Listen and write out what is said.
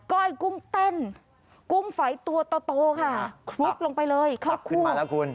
้อยกุ้งเต้นกุ้งฝอยตัวโตค่ะคลุกลงไปเลยคลุกขึ้นมาแล้วคุณ